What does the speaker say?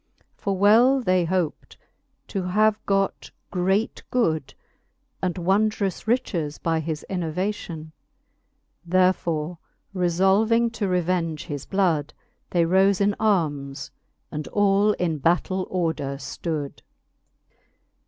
For well they hoped to have got great good j And wondrous riches by his innovation. Therefore refblving to revenge his blood, They role in armes, and all in battell order ftood.